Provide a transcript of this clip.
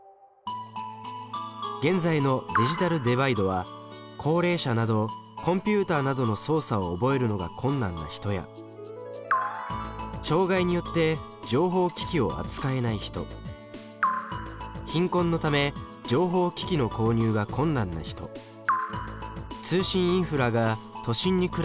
現在のディジタルデバイドは高齢者などコンピュータなどの操作を覚えるのが困難な人や障害によって情報機器を扱えない人貧困のため情報機器の購入が困難な人通信インフラが都心に比べて整っていない地方に住む人々などに